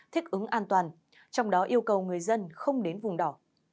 thích ứng an toàn trong đó yêu cầu người dân không đến vùng đỏ